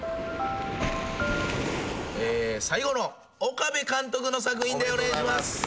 最後の岡部監督の作品でお願いします。